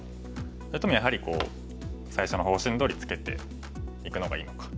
それともやはり最初の方針どおりツケていくのがいいのか。